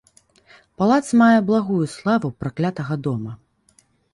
Палац мае благую славу праклятага дома.